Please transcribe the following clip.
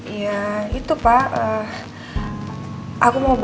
ada apa kok ketemu sama nino